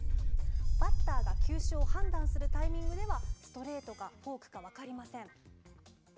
バッターが球種を判断するタイミングではストレートかフォークか分かりません。